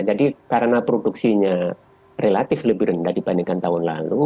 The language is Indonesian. jadi karena produksinya relatif lebih rendah dibandingkan tahun lalu